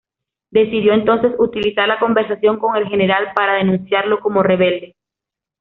Decidió entonces utilizar la conversación con el general para denunciarlo como rebelde.